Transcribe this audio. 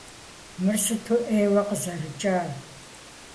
Мыр сыту ӏейуэ къызэрыкӏа!